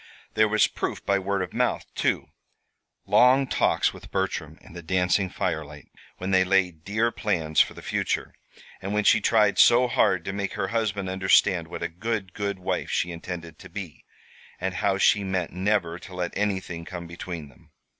There was proof by word of mouth, too long talks with Bertram in the dancing firelight when they laid dear plans for the future, and when she tried so hard to make her husband understand what a good, good wife she intended to be, and how she meant never to let anything come between them.